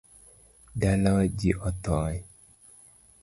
Dalawa ji othoe